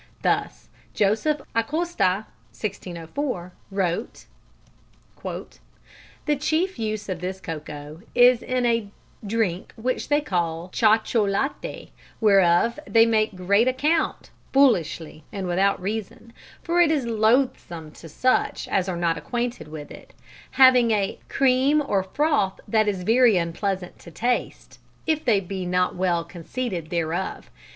Thus Joseph Acosta (1604) wrote: "The chief use of this cocoa is in a drincke which they call Chocholaté, whereof they make great account, foolishly and without reason; for it is loathsome to such as are not acquainted with it, having a skumme or frothe that is very unpleasant to taste, if they be not well conceited thereof.